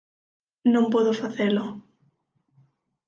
Non podo facelo.